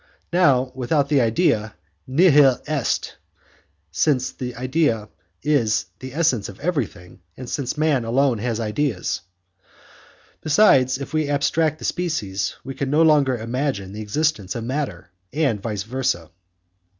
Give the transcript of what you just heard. Now, without that idea, 'nihil est', since the idea is the essence of everything, and since man alone has ideas. Besides, if we abstract the species, we can no longer imagine the existence of matter, and vice versa.